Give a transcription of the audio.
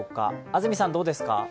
安住さん、どうですか？